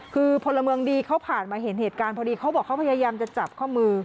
คือพลเมืองดีเขาผ่านมาเห็นเหตุการณ์พอดีเขาบอกเขาพยายามจะจับข้อมือ